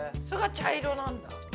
それが茶色なんだ。